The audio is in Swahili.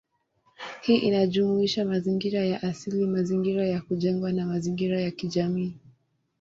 Hii inajumuisha mazingira ya asili, mazingira ya kujengwa, na mazingira ya kijamii.